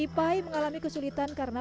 ipai mengalami kesulitan karena